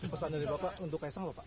pesan dari bapak untuk kaisang loh pak